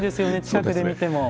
近くで見ても。